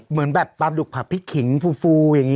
รู้แต่แบบพลาบดุกผักพริกขิงฟูแบบนี้